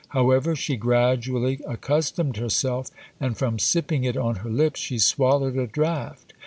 However, she gradually accustomed herself, and from sipping it on her lips she swallowed a draught.